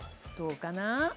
どうかな？